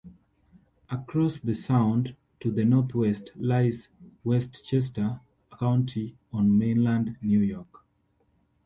Across the Sound, to the northwest, lies Westchester County on mainland New York.